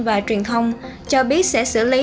và truyền thông cho biết sẽ xử lý